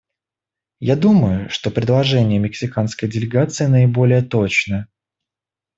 Я думаю, что предложение мексиканской делегации наиболее точно.